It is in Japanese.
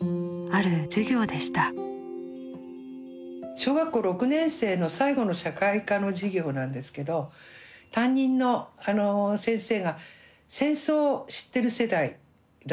小学校６年生の最後の社会科の授業なんですけど担任の先生が戦争を知ってる世代だったんですね。